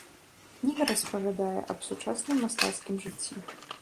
Кніга распавядае аб сучасным мастацкім жыцці.